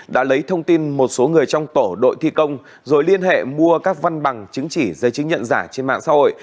đã lấy thông tin một số người trong tổ đội thi công rồi liên hệ mua các văn bằng chứng chỉ giấy chứng nhận giả trên mạng xã hội